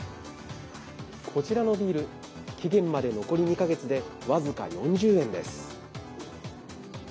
こちらのビール、期限まで残り２か月で僅か４０円です。